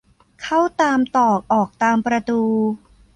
เข้าตามตรอกออกตามประตู